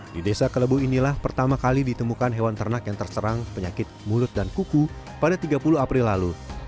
di desa kelebu inilah pertama kali ditemukan hewan ternak yang terserang penyakit mulut dan kuku pada tiga puluh april lalu